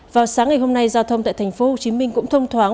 vào sáng ngày hôm nay giao thông tại thành phố hồ chí minh cũng thông thoáng